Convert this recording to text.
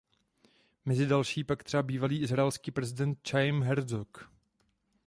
Mezi další pak třeba bývalý izraelský prezident Chajim Herzog.